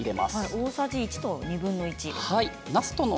大さじ１と２分の１。